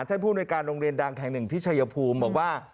ท่านผู้โดยการโรงเรียนดังแห่งหนึ่งพิชยภูมิบอกว่า